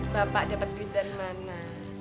bapak dapat bidan mana